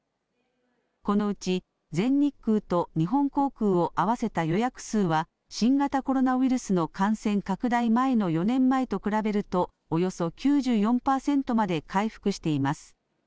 このうち全日空と日本航空を合わせた予約数は、新型コロナウイルスの感染拡大前の４年前と比べると、およそ９４％まで回復しています。